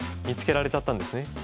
見つけられちゃったんですね。